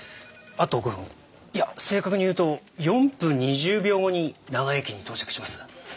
あと５分いや正確に言うと４分２０秒後に長井駅に到着します。